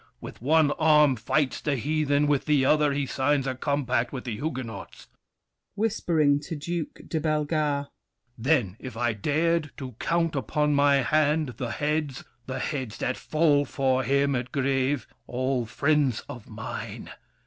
With one arm fights the heathen, with the other He signs a compact with the Huguenots. [Whispering to Duke de Bellegarde. Then, if I dared to count upon my hand The heads—the heads that fall for him at Grève! All friends of mine!